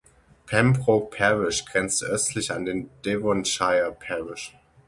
Pembroke Parish grenzt östlich an den Devonshire Parish.